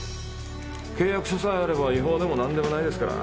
契約書さえあれば違法でも何でもないですから。